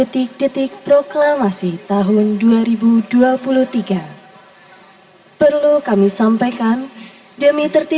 terus juga ada pak eto